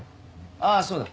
ああそうだ。